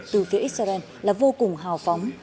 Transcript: từ phía israel là vô cùng hào phóng